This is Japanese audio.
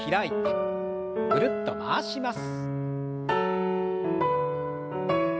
ぐるっと回します。